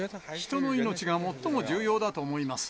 人の命が最も重要だと思います。